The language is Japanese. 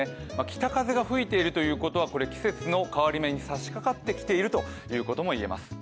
北風が吹いているということは、季節の変わり目に差しかかっている子ということです。